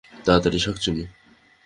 তাড়াতাড়ি, শাকচুন্নী।